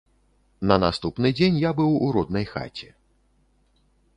На наступны дзень я быў у роднай хаце.